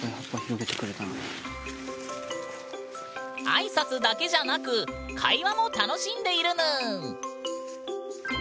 挨拶だけじゃなく会話も楽しんでいるぬん！